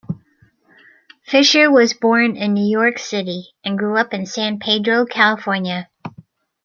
Fisher was born in New York City, and grew up in San Pedro, California.